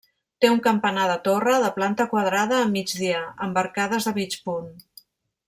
Té un campanar de torre, de planta quadrada, a migdia; amb arcades de mig punt.